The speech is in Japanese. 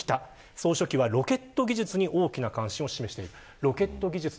総書記はロケット技術に大きな感心を示している。